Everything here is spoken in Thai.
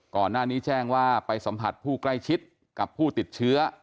ก่อนหน้านี้แจ้งว่าไปสัมผัสผู้ใกล้ชิดกับผู้ติดเชื้อ